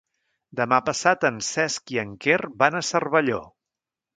Demà passat en Cesc i en Quer van a Cervelló.